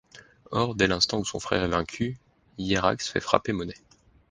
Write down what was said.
Or, dès l'instant où son frère est vaincu, Hiérax fait frapper monnaie.